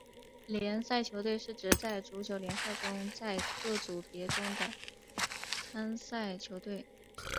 联赛球队是指在足球联赛中在各组别中的参赛球队。